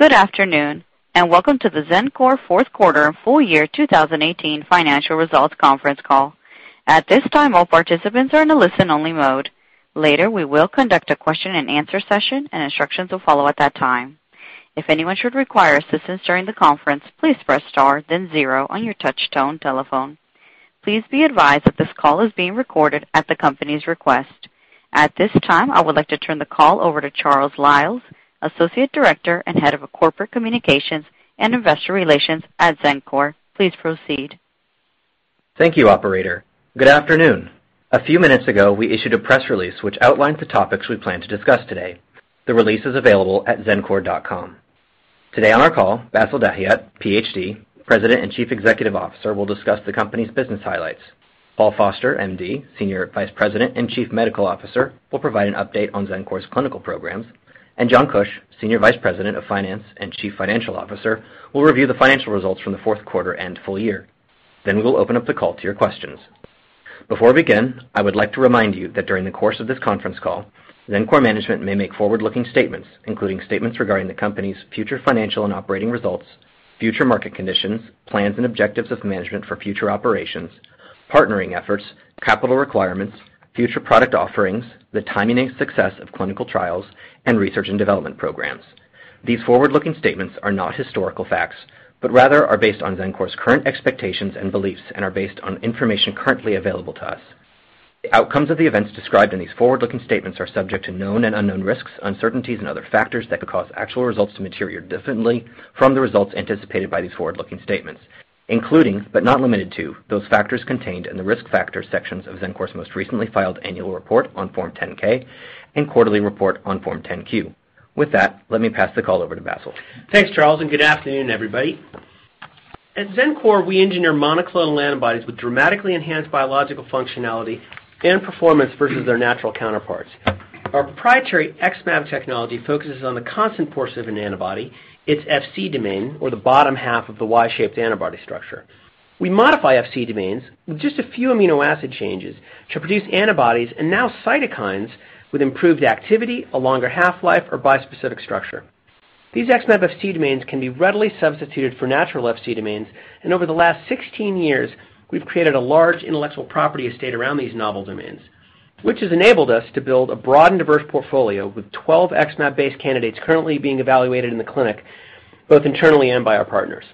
Good afternoon, and welcome to the Xencor Fourth Quarter and Full Year 2018 Financial Results Conference Call. At this time, all participants are in a listen-only mode. Later, we will conduct a question and answer session, and instructions will follow at that time. If anyone should require assistance during the conference, please press star then zero on your touchtone telephone. Please be advised that this call is being recorded at the company's request. At this time, I would like to turn the call over to Charles Liles, Associate Director and Head of Corporate Communications and Investor Relations at Xencor. Please proceed. Thank you, operator. Good afternoon. A few minutes ago, we issued a press release which outlines the topics we plan to discuss today. The release is available at xencor.com. Today on our call, Bassil Dahiyat, PhD, President and Chief Executive Officer, will discuss the company's business highlights. Paul Foster, MD, Senior Vice President and Chief Medical Officer, will provide an update on Xencor's clinical programs. John Kuch, Senior Vice President of Finance and Chief Financial Officer, will review the financial results from the fourth quarter and full year. We will open up the call to your questions. Before we begin, I would like to remind you that during the course of this conference call, Xencor management may make forward-looking statements, including statements regarding the company's future financial and operating results, future market conditions, plans and objectives of management for future operations, partnering efforts, capital requirements, future product offerings, the timing and success of clinical trials, and research and development programs. These forward-looking statements are not historical facts, but rather are based on Xencor's current expectations and beliefs and are based on information currently available to us. The outcomes of the events described in these forward-looking statements are subject to known and unknown risks, uncertainties, and other factors that could cause actual results to materially differently from the results anticipated by these forward-looking statements, including but not limited to those factors contained in the risk factor sections of Xencor's most recently filed annual report on Form 10-K and quarterly report on Form 10-Q. With that, let me pass the call over to Bassil. Thanks, Charles, and good afternoon, everybody. At Xencor, we engineer monoclonal antibodies with dramatically enhanced biological functionality and performance versus their natural counterparts. Our proprietary XmAb technology focuses on the constant portion of an antibody, its Fc domain, or the bottom half of the Y-shaped antibody structure. We modify Fc domains with just a few amino acid changes to produce antibodies and now cytokines with improved activity, a longer half-life, or bispecific structure. These XmAb Fc domains can be readily substituted for natural Fc domains, and over the last 16 years, we've created a large intellectual property estate around these novel domains, which has enabled us to build a broad and diverse portfolio with 12 XmAb-based candidates currently being evaluated in the clinic, both internally and by our partners.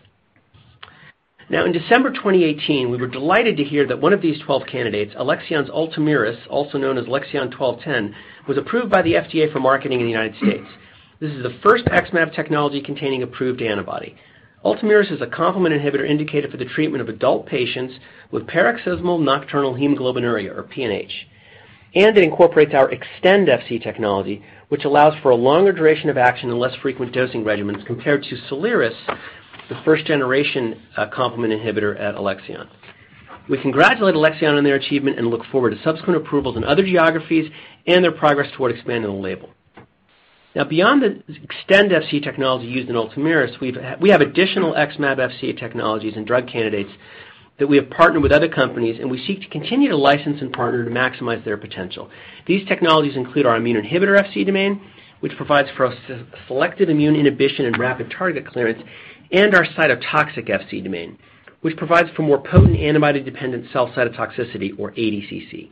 In December 2018, we were delighted to hear that one of these 12 candidates, Alexion's ULTOMIRIS, also known as ALXN1210, was approved by the FDA for marketing in the United States. This is the first XmAb technology-containing approved antibody. ULTOMIRIS is a complement inhibitor indicated for the treatment of adult patients with paroxysmal nocturnal hemoglobinuria or PNH, and it incorporates our extended Fc technology, which allows for a longer duration of action and less frequent dosing regimens compared to SOLIRIS, the first-generation complement inhibitor at Alexion. We congratulate Alexion on their achievement and look forward to subsequent approvals in other geographies and their progress toward expanding the label. Beyond the extended Fc technology used in ULTOMIRIS, we have additional XmAb Fc technologies and drug candidates that we have partnered with other companies, and we seek to continue to license and partner to maximize their potential. These technologies include our immune inhibitor Fc domain, which provides for a selective immune inhibition and rapid target clearance, and our cytotoxic Fc domain, which provides for more potent antibody-dependent cell cytotoxicity or ADCC.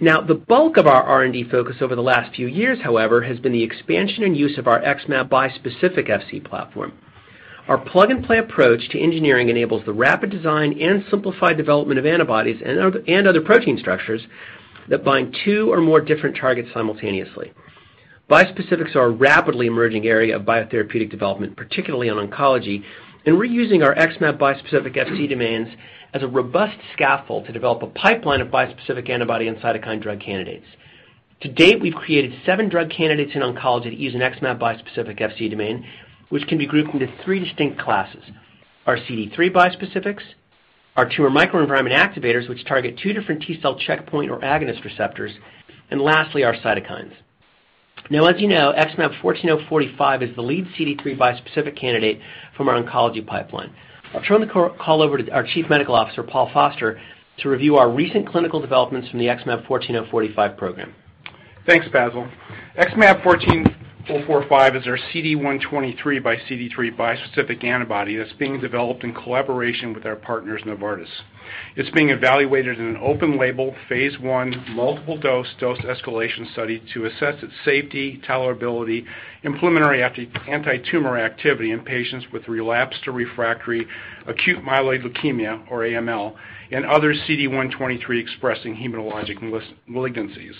The bulk of our R&D focus over the last few years, however, has been the expansion and use of our XmAb bispecific Fc platform. Our plug-and-play approach to engineering enables the rapid design and simplified development of antibodies and other protein structures that bind two or more different targets simultaneously. Bispecifics are a rapidly emerging area of biotherapeutic development, particularly in oncology, and we're using our XmAb bispecific Fc domains as a robust scaffold to develop a pipeline of bispecific antibody and cytokine drug candidates. To date, we've created seven drug candidates in oncology using XmAb bispecific Fc domain, which can be grouped into three distinct classes. Our CD3 bispecifics, our tumor microenvironment activators, which target two different T-cell checkpoint or agonist receptors, and lastly, our cytokines. As you know, XmAb14045 is the lead CD3 bispecific candidate from our oncology pipeline. I'll turn the call over to our Chief Medical Officer, Paul Foster, to review our recent clinical developments from the XmAb14045 program. Thanks, Bassil. XmAb14045 is our CD123 by CD3 bispecific antibody that's being developed in collaboration with our partners, Novartis. It's being evaluated in an open-label, phase I, multiple-dose, dose escalation study to assess its safety, tolerability, and preliminary antitumor activity in patients with relapsed or refractory acute myeloid leukemia, or AML, and other CD123-expressing hematologic malignancies.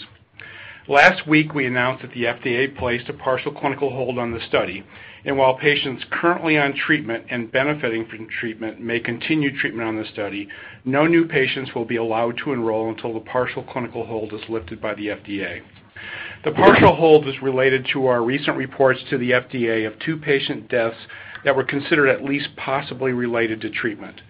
Last week, we announced that the FDA placed a partial clinical hold on the study. While patients currently on treatment and benefiting from treatment may continue treatment on the study, no new patients will be allowed to enroll until the partial clinical hold is lifted by the FDA. The partial hold is related to our recent reports to the FDA of two patient deaths that were considered at least possibly related to treatment.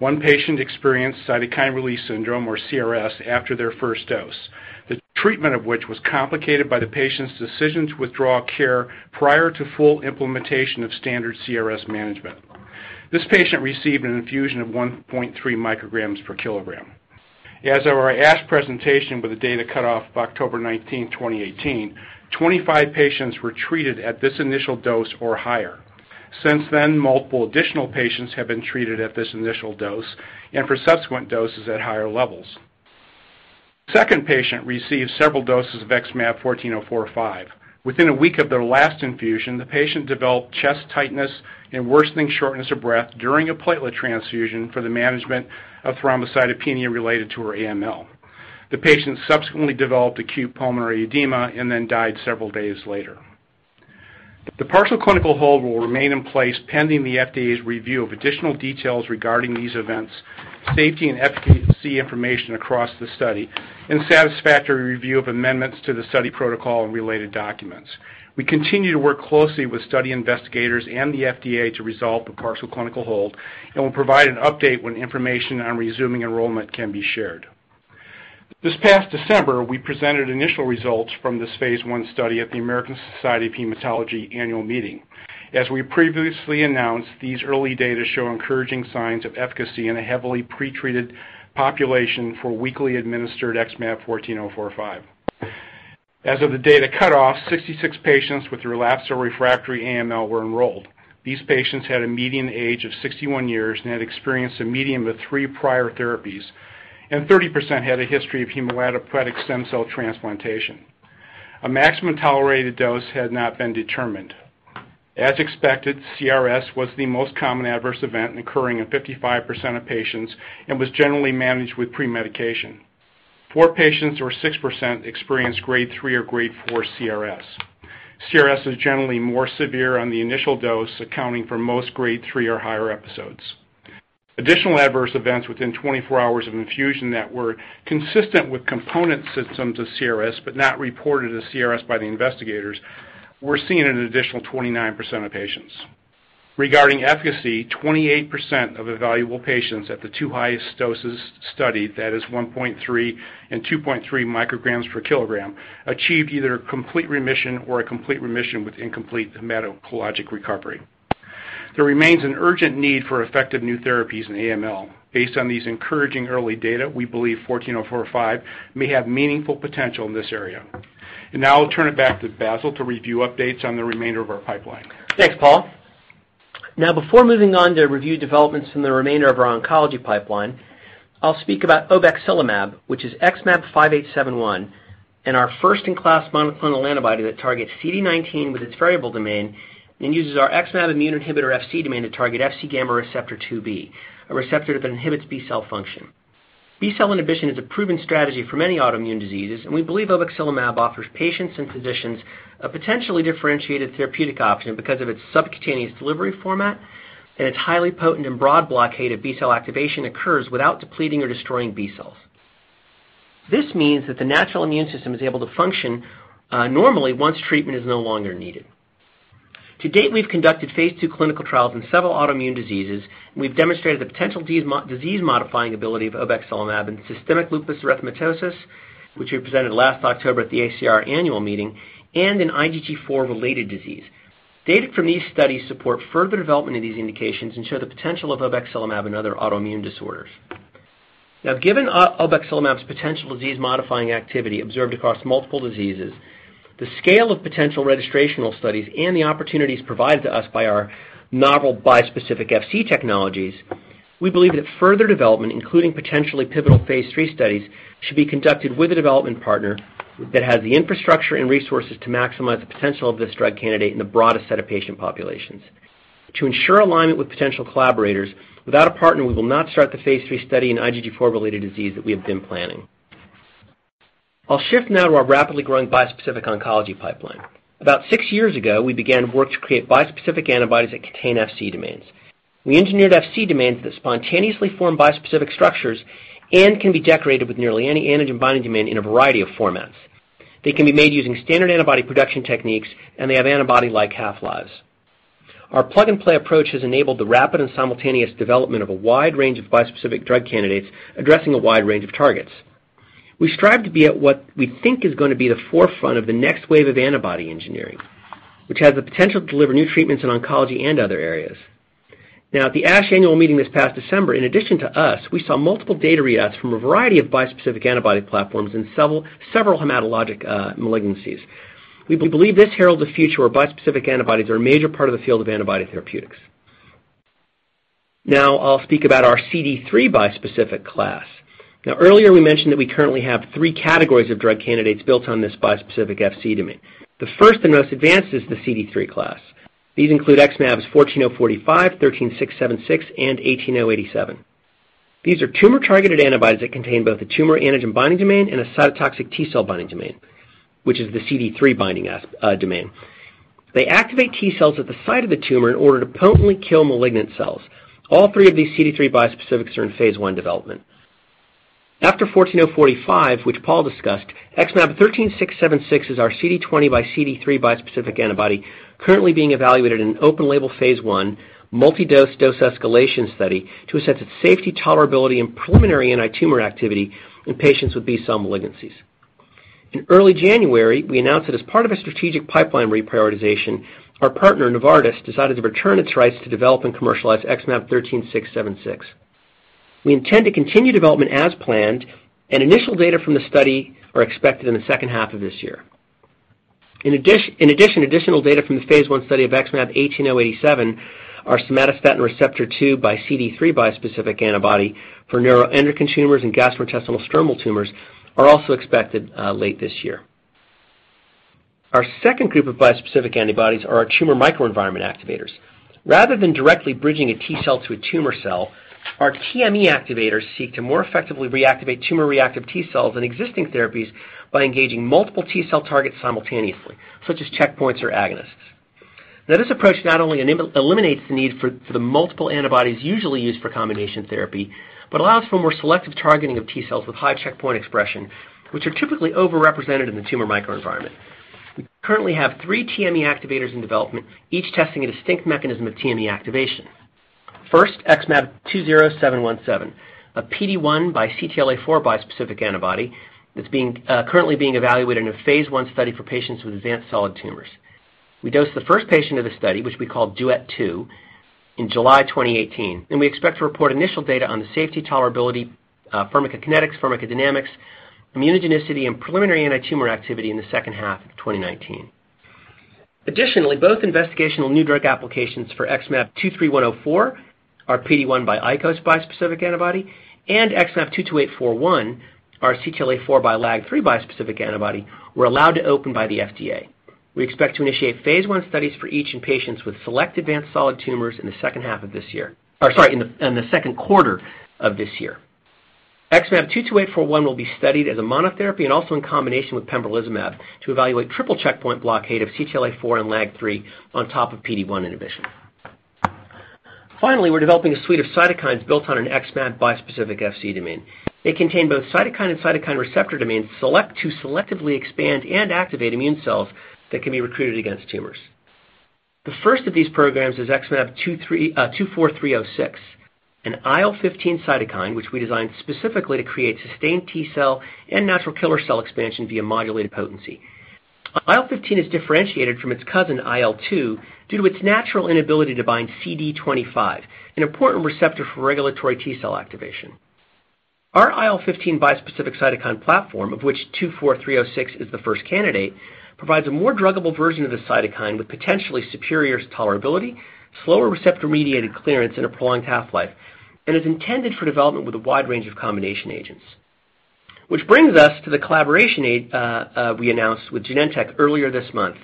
One patient experienced cytokine release syndrome, or CRS, after their first dose, the treatment of which was complicated by the patient's decision to withdraw care prior to full implementation of standard CRS management. This patient received an infusion of 1.3 mcg per kilogram. As of our ASH presentation with the data cutoff of October 19th, 2018, 25 patients were treated at this initial dose or higher. Since then, multiple additional patients have been treated at this initial dose and for subsequent doses at higher levels. Second patient received several doses of XmAb14045. Within a week of their last infusion, the patient developed chest tightness and worsening shortness of breath during a platelet transfusion for the management of thrombocytopenia related to her AML. The patient subsequently developed acute pulmonary edema and then died several days later. The partial clinical hold will remain in place pending the FDA's review of additional details regarding these events, safety and efficacy information across the study, and satisfactory review of amendments to the study protocol and related documents. We continue to work closely with study investigators and the FDA to resolve the partial clinical hold, and we'll provide an update when information on resuming enrollment can be shared. This past December, we presented initial results from this phase I study at the American Society of Hematology Annual Meeting. As we previously announced, these early data show encouraging signs of efficacy in a heavily pretreated population for weekly administered XmAb14045. As of the data cutoff, 66 patients with relapsed or refractory AML were enrolled. These patients had a median age of 61 years and had experienced a median of three prior therapies, and 30% had a history of hematopoietic stem cell transplantation. A maximum tolerated dose had not been determined. As expected, CRS was the most common adverse event occurring in 55% of patients and was generally managed with premedication. Four patients or 6% experienced Grade 3 or Grade 4 CRS. CRS is generally more severe on the initial dose, accounting for most Grade 3 or higher episodes. Additional adverse events within 24 hours of infusion that were consistent with component symptoms of CRS, but not reported as CRS by the investigators, were seen in an additional 29% of patients. Regarding efficacy, 28% of evaluable patients at the two highest doses studied, that is 1.3 mcg and 2.3 mcg per kilogram, achieved either complete remission or a complete remission with incomplete hematologic recovery. There remains an urgent need for effective new therapies in AML. Based on these encouraging early data, we believe 14045 may have meaningful potential in this area. Now I'll turn it back to Bassil to review updates on the remainder of our pipeline. Thanks, Paul. Before moving on to review developments in the remainder of our oncology pipeline, I'll speak about obexelimab, which is XmAb5871, and our first-in-class monoclonal antibody that targets CD19 with its variable domain and uses our XmAb immune inhibitor Fc domain to target Fc gamma receptor IIb, a receptor that inhibits B-cell function. B-cell inhibition is a proven strategy for many autoimmune diseases, and we believe obexelimab offers patients and physicians a potentially differentiated therapeutic option because of its subcutaneous delivery format and its highly potent and broad blockade of B-cell activation occurs without depleting or destroying B-cells. This means that the natural immune system is able to function normally once treatment is no longer needed. To date, we've conducted phase II clinical trials in several autoimmune diseases, and we've demonstrated the potential disease-modifying ability of obexelimab in systemic lupus erythematosus, which we presented last October at the ACR Annual Meeting, and in IgG4-related disease. Data from these studies support further development of these indications and show the potential of obexelimab in other autoimmune disorders. Given obexelimab's potential disease-modifying activity observed across multiple diseases, the scale of potential registrational studies, and the opportunities provided to us by our novel bispecific Fc technologies, we believe that further development, including potentially pivotal phase III studies, should be conducted with a development partner that has the infrastructure and resources to maximize the potential of this drug candidate in the broadest set of patient populations. To ensure alignment with potential collaborators, without a partner, we will not start the phase III study in IgG4-related disease that we have been planning. I'll shift now to our rapidly growing bispecific oncology pipeline. About six years ago, we began work to create bispecific antibodies that contain Fc domains. We engineered Fc domains that spontaneously form bispecific structures and can be decorated with nearly any antigen binding domain in a variety of formats. They can be made using standard antibody production techniques, and they have antibody-like half-lives. Our plug-and-play approach has enabled the rapid and simultaneous development of a wide range of bispecific drug candidates addressing a wide range of targets. We strive to be at what we think is going to be the forefront of the next wave of antibody engineering, which has the potential to deliver new treatments in oncology and other areas. Now, at the ASH Annual Meeting this past December, in addition to us, we saw multiple data readouts from a variety of bispecific antibody platforms in several hematologic malignancies. We believe this heralds the future where bispecific antibodies are a major part of the field of antibody therapeutics. Now I'll speak about our CD3 bispecific class. Now, earlier we mentioned that we currently have three categories of drug candidates built on this bispecific Fc domain. The first and most advanced is the CD3 class. These include XmAb14045, XmAb13676, and XmAb18087. These are tumor-targeted antibodies that contain both a tumor antigen binding domain and a cytotoxic T-cell binding domain, which is the CD3-binding domain. They activate T-cells at the site of the tumor in order to potently kill malignanT-cells. All three of these CD3 bispecifics are in phase I development. After 14045, which Paul discussed, XmAb13676 is our CD20 by CD3 bispecific antibody currently being evaluated in open label phase I multi-dose dose escalation study to assess its safety, tolerability, and preliminary anti-tumor activity in patients with B-cell malignancies. In early January, we announced that as part of a strategic pipeline reprioritization, our partner, Novartis, decided to return its rights to develop and commercialize XmAb13676. We intend to continue development as planned, and initial data from the study are expected in the second half of this year. In addition, additional data from the phase I study of XmAb18087, our somatostatin receptor 2 by CD3 bispecific antibody for neuroendocrine tumors and gastrointestinal stromal tumors, are also expected late this year. Our second group of bispecific antibodies are our tumor microenvironment activators. Rather than directly bridging a T-cell to a tumor cell, our TME activators seek to more effectively reactivate tumor-reactive T-cells in existing therapies by engaging multiple T-cell targets simultaneously, such as checkpoints or agonists. Now, this approach not only eliminates the need for the multiple antibodies usually used for combination therapy, but allows for more selective targeting of T-cells with high checkpoint expression, which are typically overrepresented in the tumor microenvironment. We currently have three TME activators in development, each testing a distinct mechanism of TME activation. First, XmAb20717, a PD-1 by CTLA-4 bispecific antibody that's currently being evaluated in a phase I study for patients with advanced solid tumors. We dosed the first patient of the study, which we call DUET-2, in July 2018, and we expect to report initial data on the safety tolerability, pharmacokinetics, pharmacodynamics, immunogenicity, and preliminary antitumor activity in the second half of 2019. Additionally, both investigational new drug applications for XmAb23104, our PD-1 by ICOS bispecific antibody, and XmAb22841, our CTLA-4 by LAG-3 bispecific antibody, were allowed to open by the FDA. We expect to initiate phase I studies for each in patients with select advanced solid tumors in the second half of this year. Or sorry, in the second quarter of this year. XmAb22841 will be studied as a monotherapy and also in combination with pembrolizumab to evaluate triple checkpoint blockade of CTLA-4 and LAG-3 on top of PD-1 inhibition. Finally, we're developing a suite of cytokines built on an XmAb bispecific Fc domain. They contain both cytokine and cytokine receptor domains to selectively expand and activate immune cells that can be recruited against tumors. The first of these programs is XmAb24306, an IL-15 cytokine which we designed specifically to create sustained T-cell and natural killer cell expansion via modulated potency. IL-15 is differentiated from its cousin, IL-2, due to its natural inability to bind CD25, an important receptor for regulatory T-cell activation. Our IL-15 bispecific cytokine platform, of which 24306 is the first candidate, provides a more druggable version of the cytokine with potentially superior tolerability, slower receptor-mediated clearance, and a prolonged half-life, and is intended for development with a wide range of combination agents. Which brings us to the collaboration we announced with Genentech earlier this month,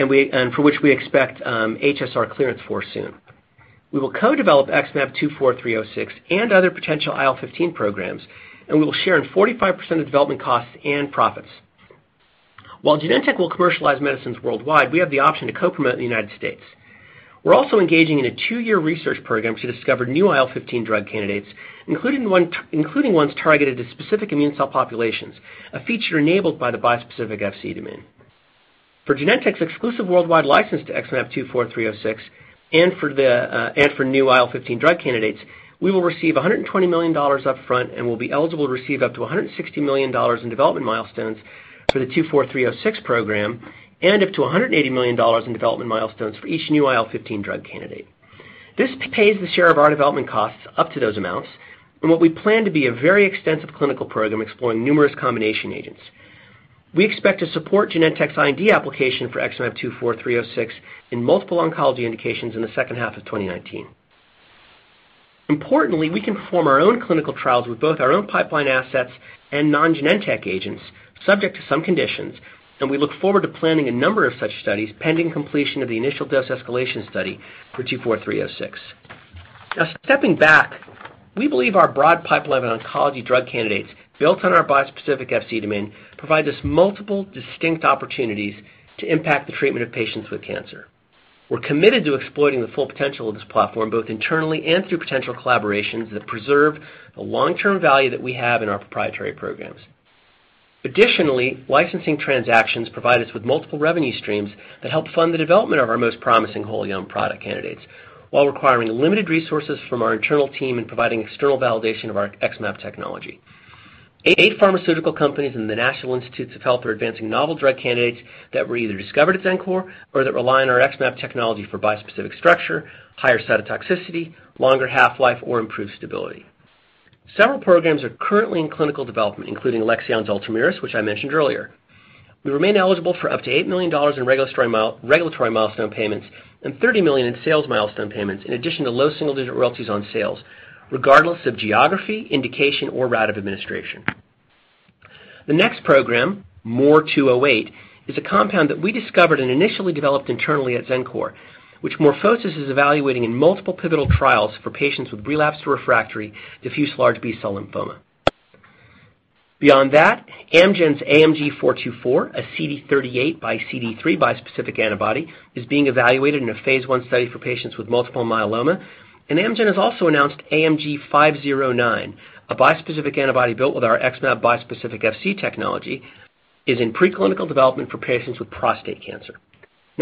and for which we expect HSR clearance for soon. We will co-develop XmAb24306 and other potential IL-15 programs, and we will share in 45% of development costs and profits. While Genentech will commercialize medicines worldwide, we have the option to co-promote in the U.S. We are also engaging in a two-year research program to discover new IL-15 drug candidates, including ones targeted to specific immune cell populations, a feature enabled by the bispecific Fc domain. For Genentech's exclusive worldwide license to XmAb24306 and for new IL-15 drug candidates, we will receive $120 million upfront and will be eligible to receive up to $160 million in development milestones for the 24306 program and up to $180 million in development milestones for each new IL-15 drug candidate. This pays the share of our development costs up to those amounts and what we plan to be a very extensive clinical program exploring numerous combination agents. We expect to support Genentech's IND application for XmAb24306 in multiple oncology indications in the second half of 2019. Importantly, we can perform our own clinical trials with both our own pipeline assets and non-Genentech agents, subject to some conditions, and we look forward to planning a number of such studies pending completion of the initial dose escalation study for 24306. Now, stepping back, we believe our broad pipeline of oncology drug candidates, built on our bispecific Fc domain, provide us multiple distinct opportunities to impact the treatment of patients with cancer. We are committed to exploiting the full potential of this platform, both internally and through potential collaborations that preserve the long-term value that we have in our proprietary programs. Additionally, licensing transactions provide us with multiple revenue streams that help fund the development of our most promising wholly-owned product candidates while requiring limited resources from our internal team and providing external validation of our XmAb technology. Eight pharmaceutical companies and the National Institutes of Health are advancing novel drug candidates that were either discovered at Xencor or that rely on our XmAb technology for bispecific structure, higher cytotoxicity, longer half-life, or improved stability. Several programs are currently in clinical development, including Alexion's ULTOMIRIS, which I mentioned earlier. We remain eligible for up to $8 million in regulatory milestone payments and $30 million in sales milestone payments, in addition to low single-digit royalties on sales, regardless of geography, indication, or route of administration. The next program, MOR208, is a compound that we discovered and initially developed internally at Xencor, which MorphoSys is evaluating in multiple pivotal trials for patients with relapsed/refractory diffuse large B-cell lymphoma. Beyond that, Amgen's AMG 424, a CD38 by CD3 bispecific antibody, is being evaluated in a phase I study for patients with multiple myeloma, and Amgen has also announced AMG 509, a bispecific antibody built with our XmAb bispecific Fc technology, is in preclinical development for patients with prostate cancer.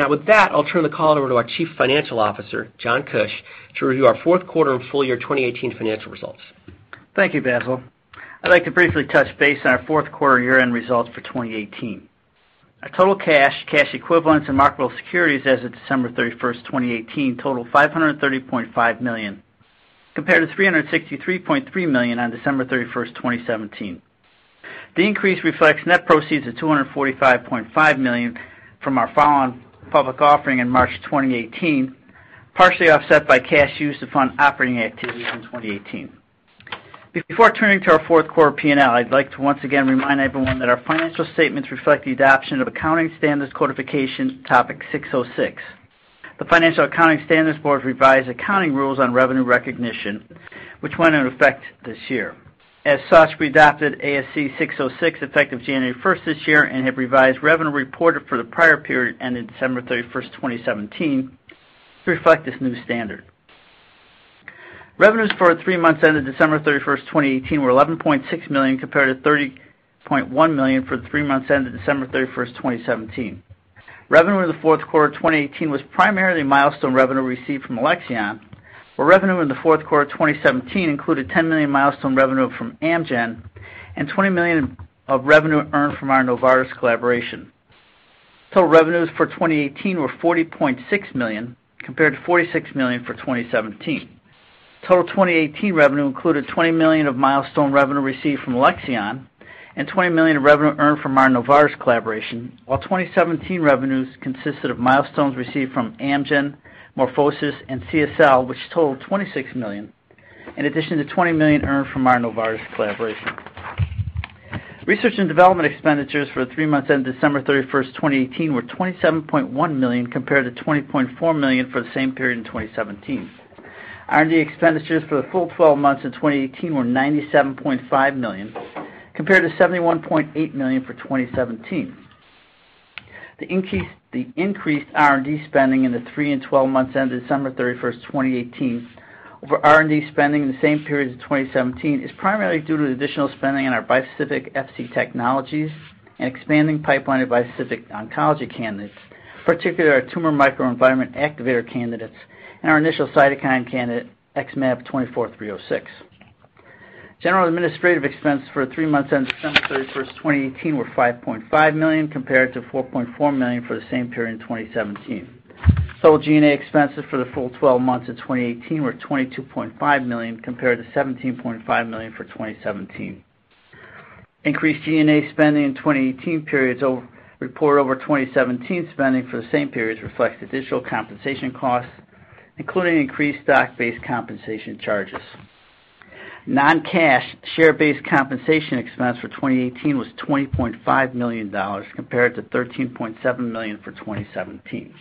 With that, I'll turn the call over to our Chief Financial Officer, John Kuch, to review our fourth quarter and full year 2018 financial results. Thank you, Bassil. I'd like to briefly touch base on our fourth quarter year-end results for 2018. Our total cash, cash equivalents and marketable securities as of December 31st, 2018 total $530.5 million, compared to $363.3 million on December 31st, 2017. The increase reflects net proceeds of $245.5 million from our public offering in March 2018, partially offset by cash used to fund operating activities in 2018. Before turning to our fourth quarter P&L, I'd like to once again remind everyone that our financial statements reflect the adoption of Accounting Standards Codification Topic 606. The Financial Accounting Standards Board's revised accounting rules on revenue recognition, which went into effect this year. As such, we adopted ASC 606 effective January 1st this year and have revised revenue reported for the prior period ending December 31st, 2017, to reflect this new standard. Revenues for the three months ended December 31st, 2018, were $11.6 million compared to $30.1 million for the three months ended December 31st, 2017. Revenue in the fourth quarter 2018 was primarily milestone revenue received from Alexion, where revenue in the fourth quarter 2017 included $10 million milestone revenue from Amgen and $20 million of revenue earned from our Novartis collaboration. Total revenues for 2018 were $40.6 million, compared to $46 million for 2017. Total 2018 revenue included $20 million of milestone revenue received from Alexion and $20 million of revenue earned from our Novartis collaboration, while 2017 revenues consisted of milestones received from Amgen, MorphoSys, and CSL, which totaled $26 million, in addition to $20 million earned from our Novartis collaboration. Research and development expenditures for the three months ended December 31st, 2018, were $27.1 million compared to $20.4 million for the same period in 2017. R&D expenditures for the full 12 months of 2018 were $97.5 million, compared to $71.8 million for 2017. The increased R&D spending in the three and 12 months ended December 31st, 2018, over R&D spending in the same periods of 2017 is primarily due to the additional spending on our bispecific Fc technologies and expanding pipeline of bispecific oncology candidates, particularly our tumor microenvironment activator candidates and our initial cytokine candidate, XmAb24306. General administrative expense for three months ended December 31st, 2018, were $5.5 million compared to $4.4 million for the same period in 2017. So, G&A expense for the full 12 months of 2018 were $22.5 million compared to $17.5 million for 2017. Increased G&A spending in 2018 period will report over 2017 spending for the same period reflect additional compensation costs, including increased stock-based compensation charges. Non-cash share-based compensation expense for 2018 was $20.5 million compared to $13.7 million for 2017.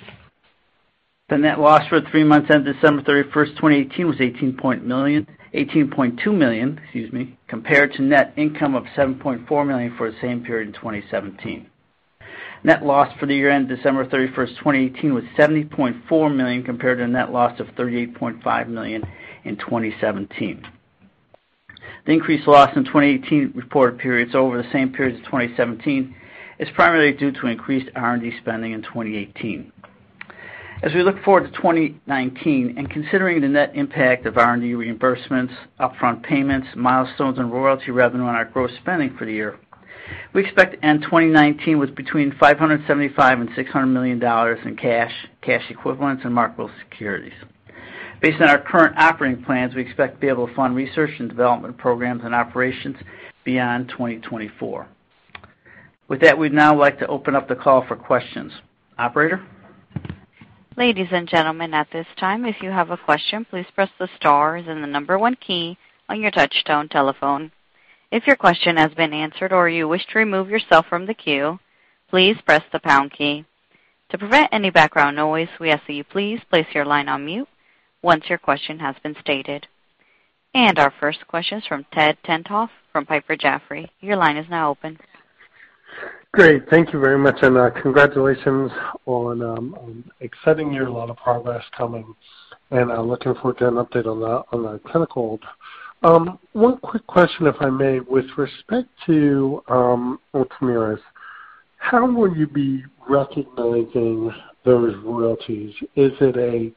The net-loss for three months ended December 31st, 2018, was $18.2 million compared to net-income of $7.4 million for the same period in 2017. Net-loss for the year-end December 31st, 2018, was $70.4 million compared to net-loss of $38.5 million in 2017. Increased loss in 2018 report periods over the same period of 2017 is primarily due to increased R&D spending in 2018. As we look forward to 2019 and considering the net impact of R&D reimbursements, upfront payments, milestones, and royalty revenue on our gross spending for the year, we expect to end 2019 with between $575 million and $600 million in cash, cash equivalents, and marketable securities. Based on our current operating plans, we expect to be able to fund research and development programs and operations beyond 2024. With that, we'd now like to open up the call for questions. Operator? Ladies and gentlemen, at this time, if you have a question, please press the star and the number one key on your touchtone telephone. If your question has been answered or you wish to remove yourself from the queue, please press the pound key. To prevent any background noise, we ask that you please place your line on mute once your question has been stated. Our first question is from Ted Tenthoff from Piper Jaffray. Your line is now open. Great. Thank you very much. Congratulations on an exciting year. A lot of progress coming, and I'm looking forward to an update on the clinicals. One quick question, if I may. With respect to ULTOMIRIS, how will you be recognizing those royalties? Is it a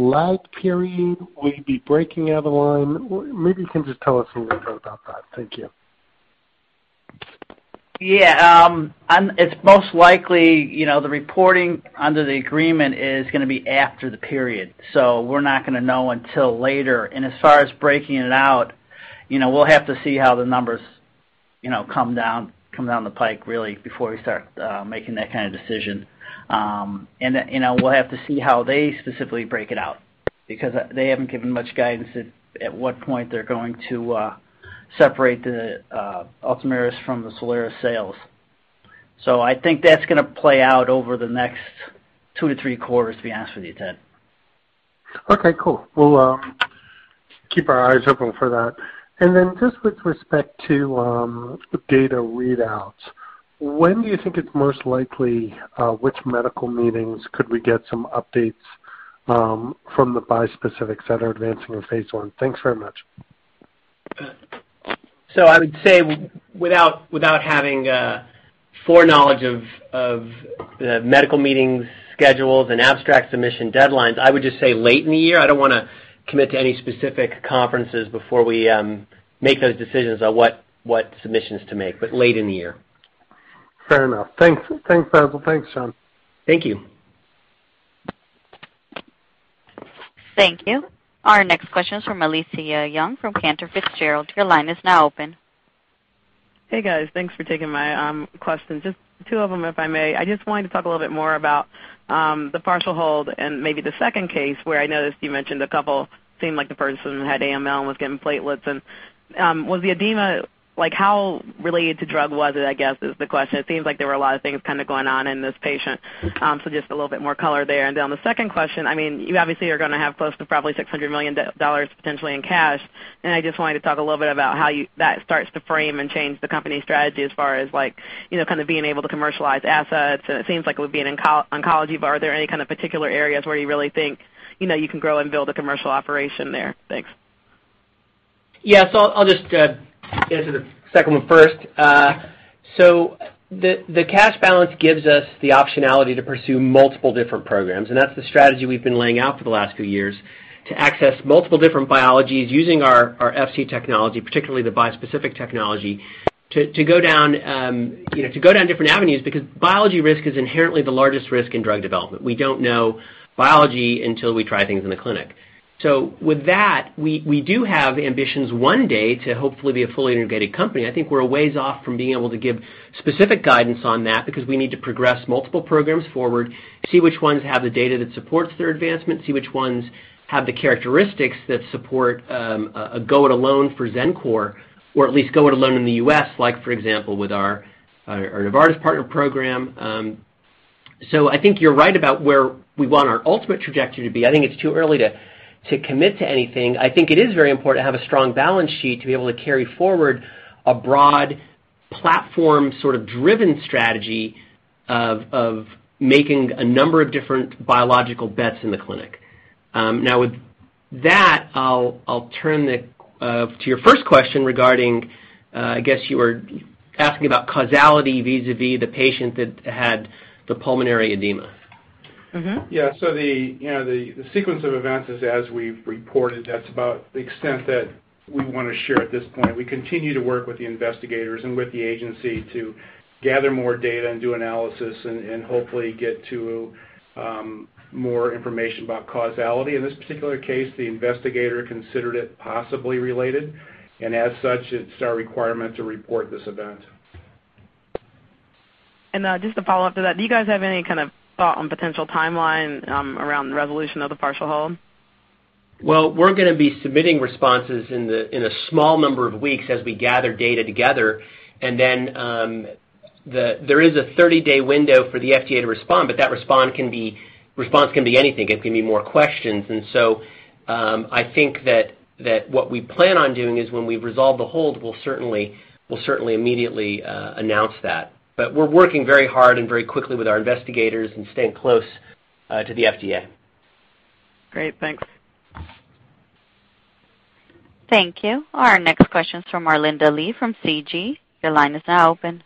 lag period? Will you be breaking out a line? Maybe you can just tell us a little bit about that. Thank you. Yeah. It's most likely, the reporting under the agreement is gonna be after the period. We're not gonna know until later. As far as breaking it out, we'll have to see how the numbers come down the pike really before we start making that kind of decision. We'll have to see how they specifically break it out because they haven't given much guidance at what point they're going to separate the ULTOMIRIS from the SOLIRIS sales. I think that's gonna play out over the next two to three quarters, to be honest with you, Ted. Okay, cool. We'll keep our eyes open for that. Just with respect to the data readouts, when do you think it's most likely which medical meetings could we get some updates from the bispecifics that are advancing in phase I? Thanks very much. I would say, without having foreknowledge of the medical meetings, schedules, and abstract submission deadlines, I would just say late in the year. I don't want to commit to any specific conferences before we make those decisions on what submissions to make, but late in the year. Fair enough. Thanks, Bassil. Thanks, John. Thank you. Thank you. Our next question is from Alethia Young from Cantor Fitzgerald. Your line is now open. Hey, guys. Thanks for taking my question. Just two of them, if I may. I just wanted to talk a little bit more about the partial hold and maybe the second case where I noticed you mentioned a couple, seemed like the person who had AML and was getting platelets. Was the edema, how related to drug was it, I guess is the question. It seems like there were a lot of things kind of going on in this patient. Just a little bit more color there. On the second question, you obviously are going to have close to probably $600 million potentially in cash. I just wanted to talk a little bit about how that starts to frame and change the company's strategy as far as being able to commercialize assets. It seems like it would be in oncology, but are there any kind of particular areas where you really think you can grow and build a commercial operation there? Thanks. Yeah. I'll just answer the second one first. The cash balance gives us the optionality to pursue multiple different programs, and that's the strategy we've been laying out for the last few years, to access multiple different biologies using our Fc technology, particularly the bispecific technology, to go down different avenues because biology risk is inherently the largest risk in drug development. We don't know biology until we try things in the clinic. With that, we do have ambitions one day to hopefully be a fully integrated company. I think we're a ways off from being able to give specific guidance on that because we need to progress multiple programs forward, see which ones have the data that supports their advancement, see which ones have the characteristics that support a go it alone for Xencor, or at least go it alone in the U.S., for example, with our Novartis partner program. I think you're right about where we want our ultimate trajectory to be. I think it's too early to commit to anything. I think it is very important to have a strong balance sheet to be able to carry forward a broad platform sort of driven strategy of making a number of different biological bets in the clinic. With that, I'll turn to your first question regarding, I guess you were asking about causality vis-a-vis the patient that had the pulmonary edema. Yeah. The sequence of events is as we've reported, that's about the extent that we want to share at this point. We continue to work with the investigators and with the agency to gather more data and do analysis and hopefully get to more information about causality. In this particular case, the investigator considered it possibly related, and as such, it's our requirement to report this event. Just to follow up to that, do you guys have any kind of thought on potential timeline around resolution of the partial hold? Well, we're going to be submitting responses in a small number of weeks as we gather data together. There is a 30-day window for the FDA to respond, that response can be anything. It can be more questions. I think that what we plan on doing is when we resolve the hold, we'll certainly immediately announce that. We're working very hard and very quickly with our investigators and staying close to the FDA. Great. Thanks. Thank you. Our next question's from Arlinda Lee from CG. Your line is now open.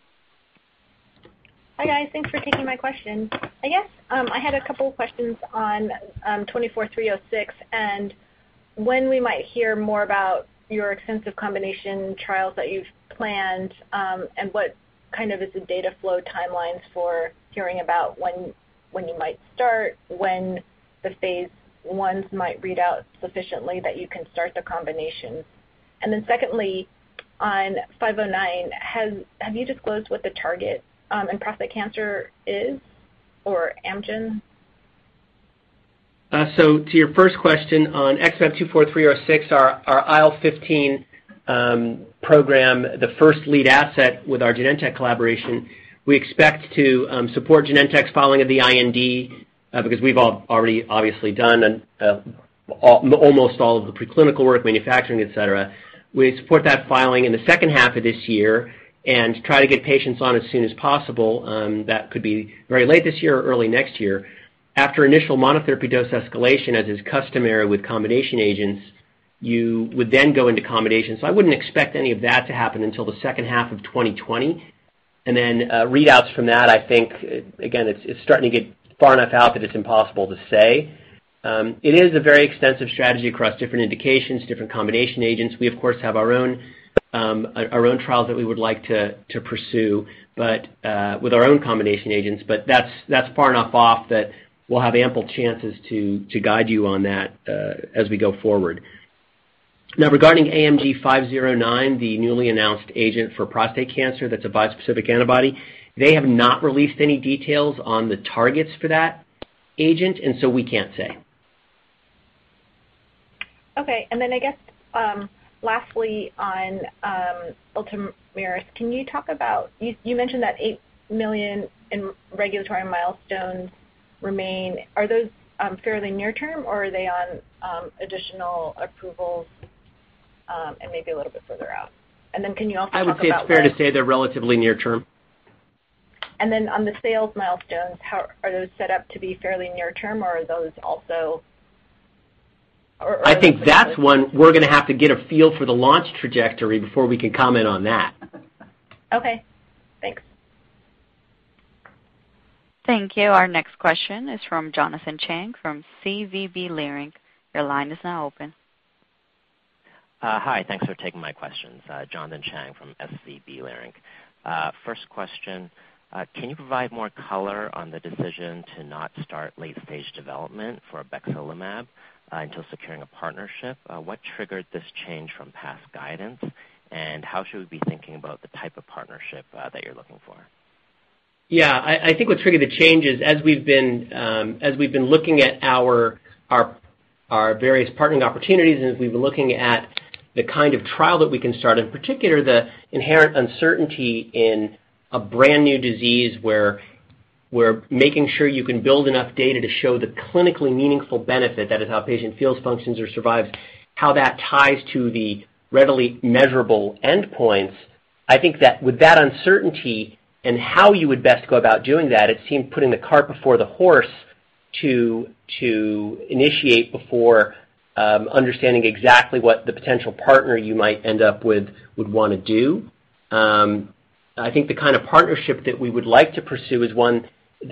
Hi, guys. Thanks for taking my question. I guess, I had a couple questions on 24306 and when we might hear more about your extensive combination trials that you've planned, what is the data flow timelines for hearing about when you might start, when the phase I might read out sufficiently that you can start the combination. Secondly, on 509, have you disclosed what the target in prostate cancer is for Amgen? To your first question on XmAb24306, our IL-15 program, the first lead asset with our Genentech collaboration, we expect to support Genentech's filing of the IND, because we've already obviously done almost all of the preclinical work, manufacturing, et cetera. We support that filing in the second half of this year and try to get patients on as soon as possible. That could be very late this year or early next year. After initial monotherapy dose escalation, as is customary with combination agents, you would then go into combination. I wouldn't expect any of that to happen until the second half of 2020. Readouts from that, I think, again, it's starting to get far enough out that it's impossible to say. It is a very extensive strategy across different indications, different combination agents. We, of course, have our own trials that we would like to pursue, with our own combination agents, That's far enough off that we'll have ample chances to guide you on that as we go forward. Now, regarding AMG 509, the newly announced agent for prostate cancer, that's a bispecific antibody. They have not released any details on the targets for that agent, we can't say. Okay. I guess, lastly on ULTOMIRIS, you mentioned that $8 million in regulatory milestones remain. Are those fairly near-term, or are they on additional approvals, and maybe a little bit further out? I would say it's fair to say they're relatively near-term. On the sales milestones, are those set up to be fairly near-term, or are those also? I think that's one we're going to have to get a feel for the launch trajectory before we can comment on that. Okay, thanks. Thank you. Our next question is from Jonathan Chang from SVB Leerink. Your line is now open. Hi. Thanks for taking my questions. Jonathan Chang from SVB Leerink. First question, can you provide more color on the decision to not start late-stage development for obexelimab until securing a partnership? What triggered this change from past guidance, and how should we be thinking about the type of partnership that you're looking for? Yeah. I think what triggered the change is, as we've been looking at our various partnering opportunities, and as we've been looking at the kind of trial that we can start, in particular, the inherent uncertainty in a brand-new disease where we're making sure you can build enough data to show the clinically meaningful benefit, that is how a patient feels, functions, or survives, how that ties to the readily measurable endpoints. I think that with that uncertainty and how you would best go about doing that, it seemed putting the cart before the horse to initiate before understanding exactly what the potential partner you might end up with would want to do. I think the kind of partnership that we would like to pursue is one,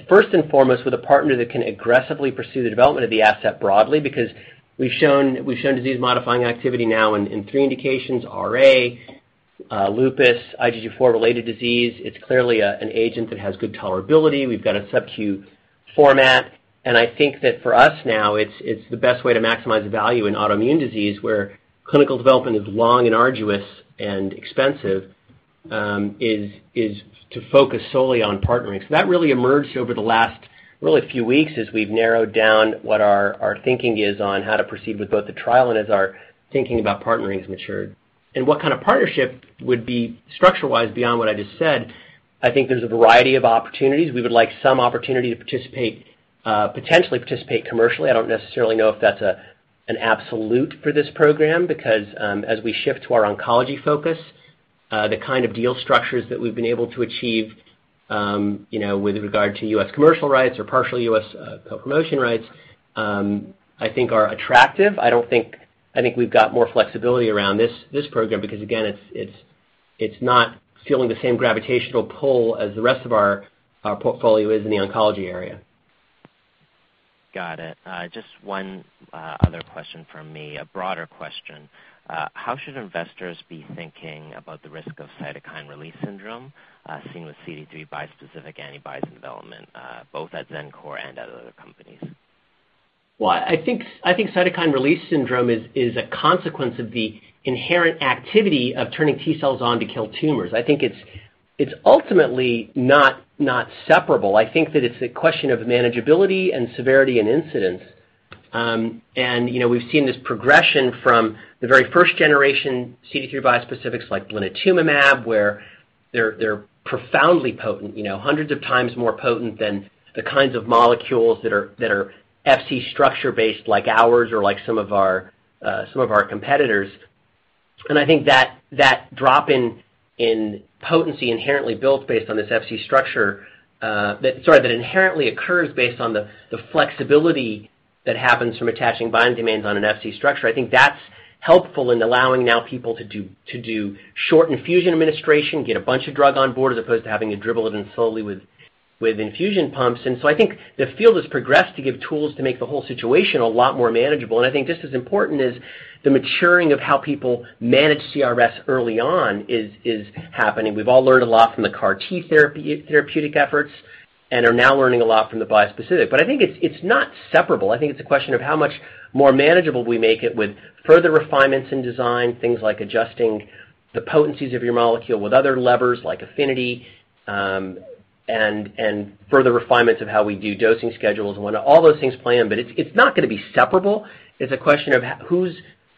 first and foremost, with a partner that can aggressively pursue the development of the asset broadly, because we've shown disease-modifying activity now in three indications: RA, lupus, IgG4-related disease. It's clearly an agent that has good tolerability. We've got a subcu format, and I think that for us now, it's the best way to maximize the value in autoimmune disease where clinical development is long and arduous and expensive, is to focus solely on partnering. That really emerged over the last really few weeks as we've narrowed down what our thinking is on how to proceed with both the trial and as our thinking about partnering has matured. What kind of partnership would be structural wise beyond what I just said, I think there's a variety of opportunities. We would like some opportunity to potentially participate commercially. I don't necessarily know if that's an absolute for this program, because as we shift to our oncology focus, the kind of deal structures that we've been able to achieve, with regard to U.S. commercial rights or partial U.S. co-promotion rights, I think are attractive. I think we've got more flexibility around this program because, again, it's not feeling the same gravitational pull as the rest of our portfolio is in the oncology area. Got it. Just one other question from me, a broader question. How should investors be thinking about the risk of cytokine release syndrome seen with CD3 bispecific antibodies development both at Xencor and at other companies? I think cytokine release syndrome is a consequence of the inherent activity of turning T-cells on to kill tumors. I think it's ultimately not separable. I think that it's a question of manageability and severity and incidence. We've seen this progression from the very first-generation CD3 bispecifics like blinatumomab, where they're profoundly potent, hundreds of times more potent than the kinds of molecules that are Fc structure-based like ours or like some of our competitors. I think that drop in potency that inherently occurs based on the flexibility that happens from attaching binding domains on an Fc structure. I think that's helpful in allowing now people to do short infusion administration, get a bunch of drug on board, as opposed to having to dribble it in slowly with infusion pumps. I think the field has progressed to give tools to make the whole situation a lot more manageable, and I think just as important is the maturing of how people manage CRS early on is happening. We've all learned a lot from the CAR-T therapeutic efforts and are now learning a lot from the bispecific. But I think it's not separable. I think it's a question of how much more manageable we make it with further refinements in design, things like adjusting the potencies of your molecule with other levers like affinity, and further refinements of how we do dosing schedules and when all those things play in. It's not going to be separable. It's a question of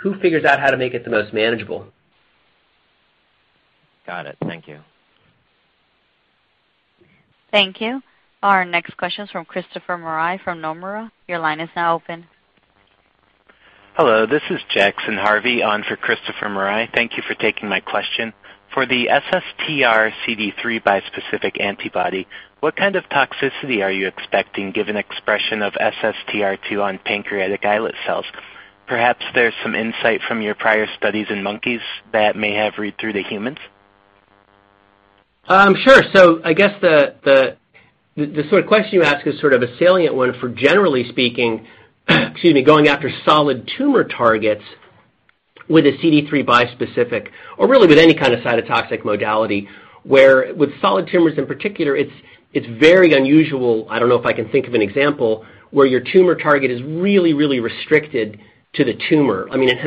who figures out how to make it the most manageable. Got it. Thank you. Thank you. Our next question is from Christopher Marai from Nomura. Your line is now open. Hello, this is Jackson Harvey on for Christopher Marai. Thank you for taking my question. For the SSTR CD3 bispecific antibody, what kind of toxicity are you expecting given expression of SSTR2 on pancreatic islet cells? Perhaps there's some insight from your prior studies in monkeys that may have read through the humans. Sure. I guess the sort of question you ask is sort of a salient one for generally speaking, excuse me, going after solid tumor targets with a CD3 bispecific or really with any kind of cytotoxic modality, where with solid tumors in particular, it is very unusual. I don't know if I can think of an example where your tumor target is really restricted to the tumor. In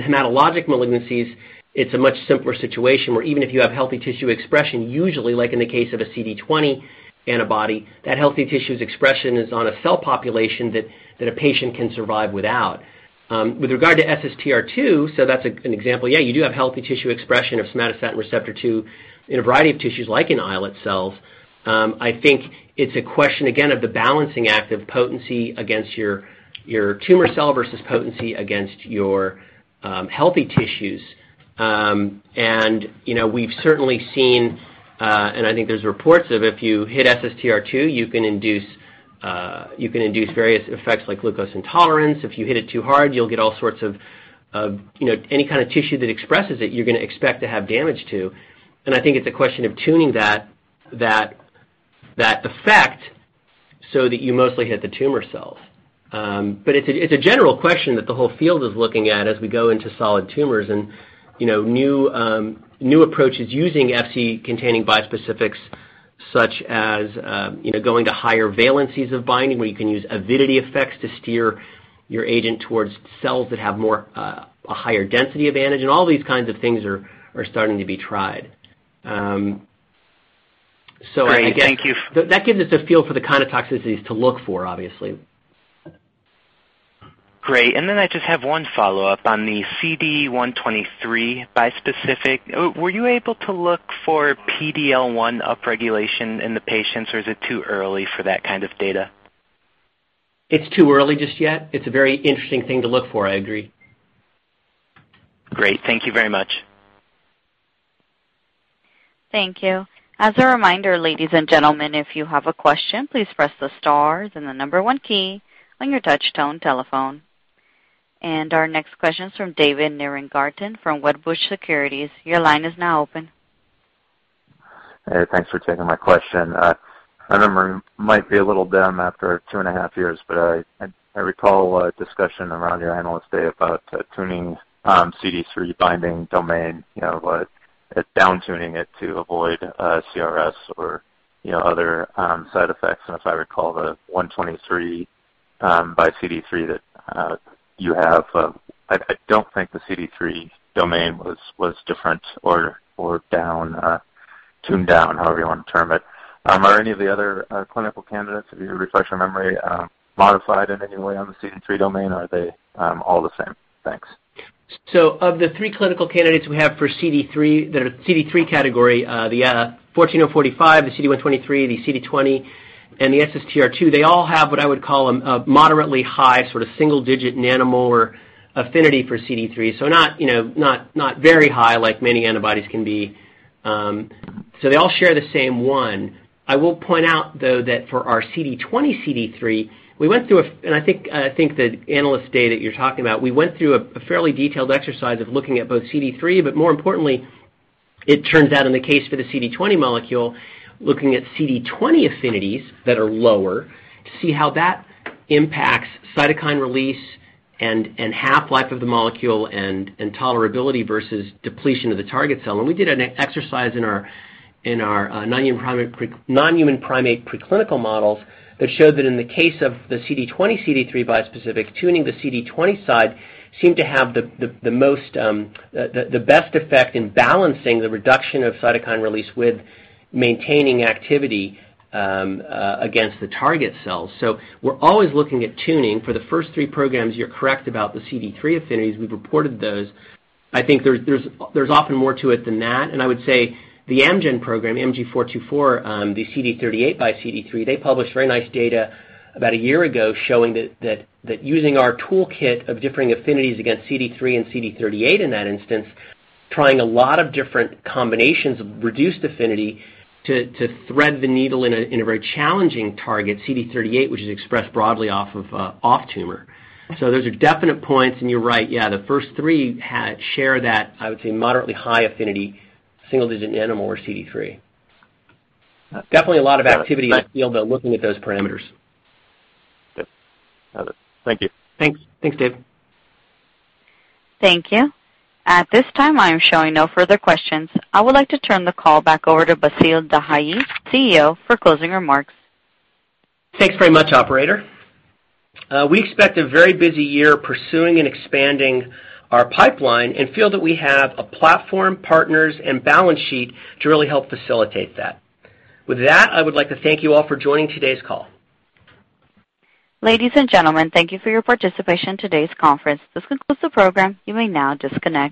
hematologic malignancies, it is a much simpler situation where even if you have healthy tissue expression, usually like in the case of a CD20 antibody, that healthy tissue's expression is on a cell population that a patient can survive without. With regard to SSTR2, that is an example, yeah, you do have healthy tissue expression of somatostatin receptor 2 in a variety of tissues like in islet cells. I think it is a question again of the balancing act of potency against your tumor cell versus potency against your healthy tissues. We have certainly seen, and I think there is reports of if you hit SSTR2, you can induce various effects like glucose intolerance. If you hit it too hard, you will get all sorts of, any kind of tissue that expresses it, you are going to expect to have damage to. I think it is a question of tuning that effect so that you mostly hit the tumor cells. It is a general question that the whole field is looking at as we go into solid tumors and new approaches using Fc containing bispecifics such as going to higher valencies of binding where you can use avidity effects to steer your agent towards cells that have a higher density advantage. All these kinds of things are starting to be tried. Great. Thank you. That gives us a feel for the kind of toxicities to look for, obviously. Great. Then I just have one follow-up on the CD123 bispecific. Were you able to look for PD-L1 upregulation in the patients, or is it too early for that kind of data? It's too early just yet. It's a very interesting thing to look for, I agree. Great. Thank you very much. Thank you. As a reminder, ladies and gentlemen, if you have a question, please press the star then the number one key on your touch tone telephone. Our next question is from David Nierengarten from Wedbush Securities. Your line is now open. Thanks for taking my question. I remember it might be a little dim after two and a half years, but I recall a discussion around your Analyst Day about tuning CD3 binding domain, about down tuning it to avoid CRS or other side effects. If I recall the CD123 by CD3 that you have, I don't think the CD3 domain was different or tuned down, however you want to term it. Are any of the other clinical candidates, if you refresh your memory, modified in any way on the CD3 domain, or are they all the same? Thanks. Of the three clinical candidates we have for CD3, that are CD3 category, the XmAb14045, the CD123, the CD20, and the SSTR2, they all have what I would call a moderately high sort of single-digit nanomolar affinity for CD3, not very high like many antibodies can be. They all share the same one. I will point out, though, that for our CD20/CD3, I think the Analyst Day that you're talking about, we went through a fairly detailed exercise of looking at both CD3, but more importantly, it turns out in the case for the CD20 molecule, looking at CD20 affinities that are lower to see how that impacts cytokine release and half-life of the molecule and tolerability versus depletion of the target cell. We did an exercise in our non-human primate preclinical models that showed that in the case of the CD20/CD3 bispecific, tuning the CD20 side seemed to have the best effect in balancing the reduction of cytokine release with maintaining activity against the target cells. We're always looking at tuning. For the first three programs, you're correct about the CD3 affinities. We've reported those. I think there's often more to it than that, I would say the Amgen program, AMG 424, the CD38 by CD3, they published very nice data about a year ago showing that using our toolkit of differing affinities against CD3 and CD38 in that instance, trying a lot of different combinations of reduced affinity to thread the needle in a very challenging target, CD38, which is expressed broadly off tumor. Those are definite points, and you're right. The first three share that, I would say, moderately high affinity single-digit nanomolar CD3. Definitely a lot of activity in the field though, looking at those parameters. Yep. Got it. Thank you. Thanks, David. Thank you. At this time, I am showing no further questions. I would like to turn the call back over to Bassil Dahiyat, CEO, for closing remarks. Thanks very much, operator. We expect a very busy year pursuing and expanding our pipeline and feel that we have a platform, partners, and balance sheet to really help facilitate that. With that, I would like to thank you all for joining today's call. Ladies and gentlemen, thank you for your participation in today's conference. This concludes the program. You may now disconnect.